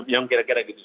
yang kira kira gitu